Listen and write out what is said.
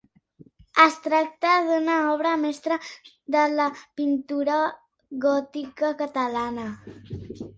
Es tracta d'una obra mestra de la pintura gòtica catalana.